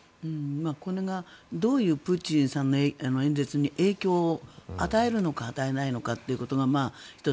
これがどういうプーチンさんの演説に影響を与えるのか与えないのかということが１つ。